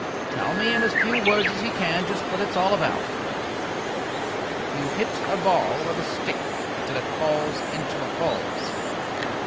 Tell me in as few words as you can just what it's all about." "You hit a ball with a stick till it falls into a hole."